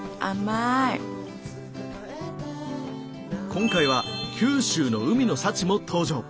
今回は九州の海の幸も登場。